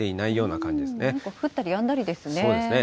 なんか降ったりやんだりですね。